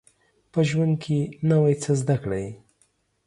په ژوند کي نوی څه زده کړئ